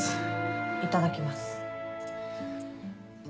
いただきます。